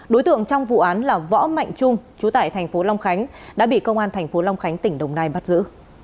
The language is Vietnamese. đối tượng trong vụ án là võ mạnh trung chú tải tp long khánh đã bị công an tp long khánh tỉnh đồng nai bắt giữ